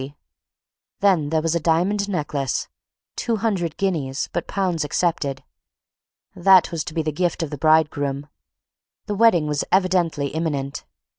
Then there was a diamond necklet—two hundred guineas, but pounds accepted. That was to be the gift of the bridegroom. The wedding was evidently imminent.